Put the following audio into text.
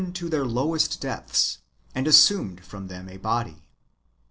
105 to their lowest depths, and assumed from them a body.